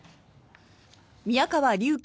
宮川隆輝